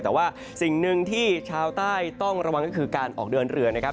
แต่ว่าสิ่งหนึ่งที่ชาวใต้ต้องระวังก็คือการออกเดินเรือนะครับ